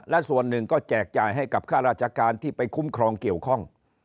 และส่วนหนึ่งก็แจกจ่ายให้กับค่าราชการที่ไปคุ้มครองเกี่ยวข้อง